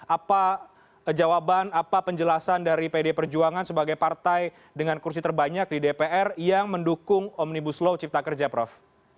apa jawaban apa penjelasan dari pd perjuangan sebagai partai dengan kursi terbanyak di dpr yang mendukung omnibus law cipta kerja prof